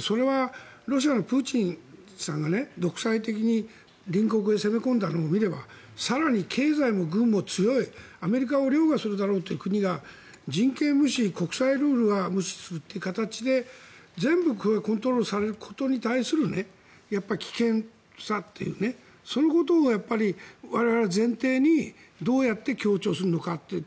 それはロシアのプーチンさんが独裁的に隣国へ攻め込んだのを見れば更に経済も軍も強い、アメリカを凌駕するだろうという国が人権無視国際ルールは無視するという形で全部コントロールされることに対する危険さというねそのことを我々は前提にどうやって協調するのかという。